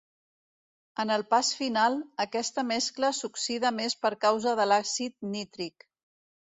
En el pas final, aquesta mescla s'oxida més per causa de l'àcid nítric.